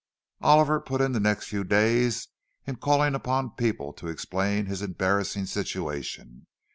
Oliver put in the next few days in calling upon people to explain his embarrassing situation.